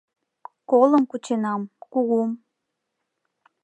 — Колым кученам, кугум